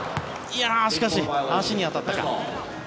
しかし、足に当たったか。